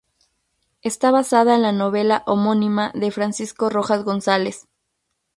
Está basada en la novela homónima de Francisco Rojas González.